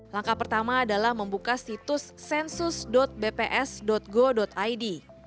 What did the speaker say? langkah pertama adalah membuka situs sensus bps go id